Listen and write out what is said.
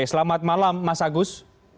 selamat malam mas agus